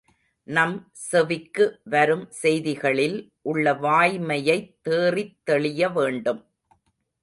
நம் செவிக்கு வரும் செய்திகளில் உள்ள வாய்மையைத் தேறித் தெளியவேண்டும்.